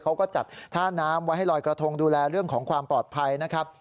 เขาก็จัดท่าน้ำไว้ให้ลอยกระทงดูแลเรื่องของความปลอดภัยนะครับ